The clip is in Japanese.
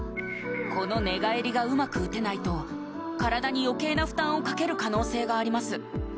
この寝返りがうまく打てないと体に余計な負担をかける可能性があります